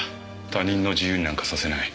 他人の自由になんかさせない。